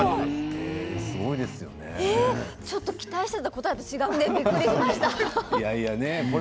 すごい。期待していた答えと違ってびっくりしました。